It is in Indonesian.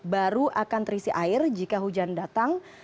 baru akan terisi air jika hujan datang